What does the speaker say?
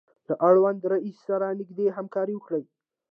له اړونده رئیس سره نږدې همکاري وکړئ.